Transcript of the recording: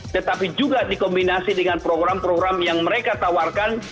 tetapi juga dikombinasi dengan program program yang mereka tawarkan